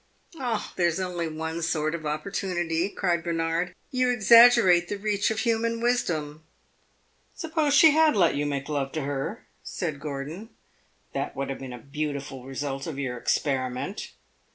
"Ah, there is only one sort of opportunity," cried Bernard. "You exaggerate the reach of human wisdom." "Suppose she had let you make love to her," said Gordon. "That would have been a beautiful result of your experiment."